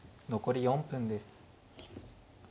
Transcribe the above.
残り４分です。